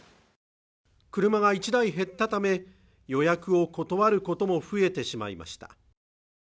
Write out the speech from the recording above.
車が１台減ったため予約を断ることも増えてしまいました